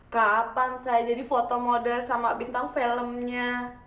kapan saya jadi foto model sama bintang filmnya